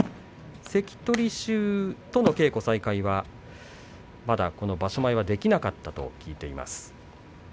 関取衆との稽古再開はまだ、この場所前にはできなかったと聞いています。